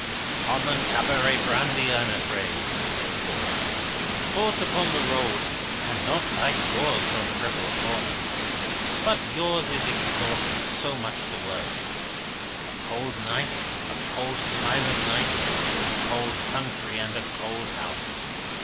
"Common cabaret brandy, I am afraid," he said, pouring out; "bought upon the road, and not like yours from Cripple Corner. But yours is exhausted; so much the worse. A cold night, a cold time of night, a cold country, and a cold house.